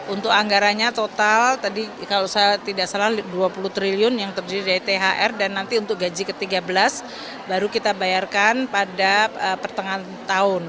untuk anggaranya total dua puluh triliun yang terjadi dari thr dan nanti untuk gaji ke tiga belas baru kita bayarkan pada pertengahan tahun